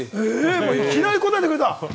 いきなり答えてくれた！